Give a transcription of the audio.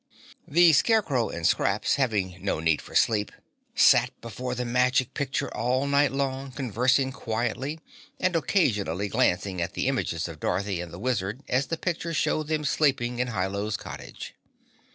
The Scarecrow and Scraps, having no need for sleep, sat before the Magic Picture all night long conversing quietly and occasionally glancing at the images of Dorothy and the Wizard as the picture showed them sleeping in Hi Lo's cottage.